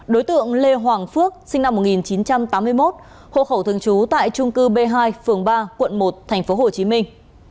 đối tượng lê hoàng phước sinh năm một nghìn chín trăm tám mươi một hộ khẩu thường trú tại trung cư b hai phường ba quận một tp hcm